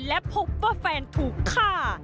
และพบว่าแฟนถูกฆ่า